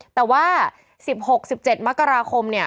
แต่ว่า๑๖๑๗มกราคมเนี่ย